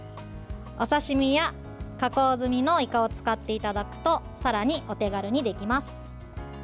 お刺身や、加工済みのいかを使っていただくとさらにお手軽にできます。